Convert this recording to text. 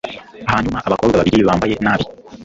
Hanyuma abakobwa babiri bambaye nabi